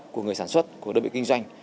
của người sản xuất của đơn vị kinh doanh